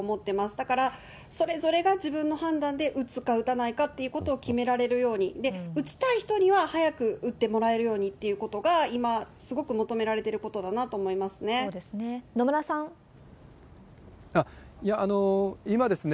だから、それぞれが自分の判断で打つか打たないかっていうことを決められるように、打ちたい人には早く打ってもらえるようにっていうことが今、すごく求められてそうですね。